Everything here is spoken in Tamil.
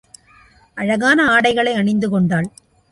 அழகான ஆடைகளை அணிந்துகொண்டாள்.